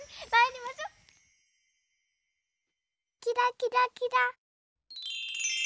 キラキラキラ。